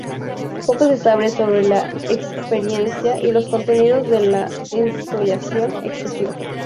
Poco se sabe sobre la experiencia y los contenidos de la ensoñación excesiva.